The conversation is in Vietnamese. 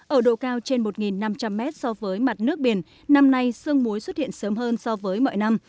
ở độ cao trên một năm trăm linh mét so với mặt nước biển năm nay sương muối xuất hiện sớm hơn so với mọi năm